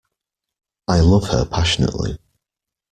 I love her passionately.